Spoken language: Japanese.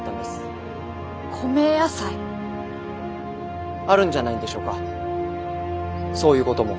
米野菜？あるんじゃないんでしょうかそういうことも。